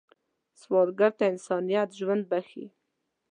سوالګر ته انسانیت ژوند بښي